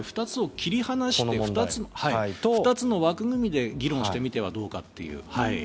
２つを切り離して２つの枠組みで議論をしてみてはどうかという。